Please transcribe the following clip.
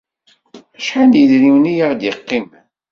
Acḥal n yedrimen i aɣ-d-yeqqimen?